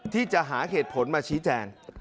ที่จะหาเหตุผลมาชี้แจง